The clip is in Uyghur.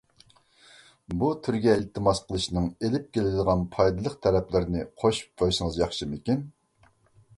بۇ تۈرگە ئىلتىماس قىلىشنىڭ ئېلىپ كېلىدىغان پايدىلىق تەرەپلىرىنى قوشۇپ قويسىڭىز ياخشىمىكىن.